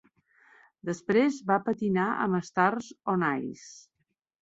Després va patinar amb Stars on Ice.